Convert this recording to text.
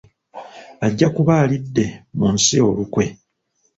ajja kuba alidde mu nsi olukwe.